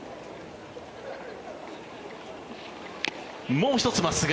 もう１つ、真っすぐ。